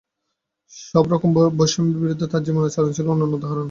সব রকম বৈষম্যের বিরুদ্ধে তাঁর জীবনাচরণ ছিল অনন্য উদাহরণ।